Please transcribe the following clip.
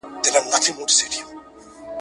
مرګ یوه خوږه او ارامه پېښه ده.